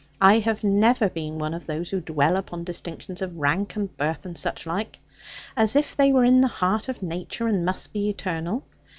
I have never been one of those who dwell upon distinctions of rank, and birth, and such like; as if they were in the heart of nature, and must be eternal.